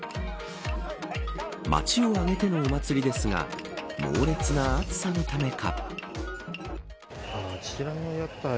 街をあげてのお祭りですが猛烈な暑さのためか。